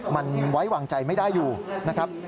มันไว้วางใจไม่ได้อยู่นะครับ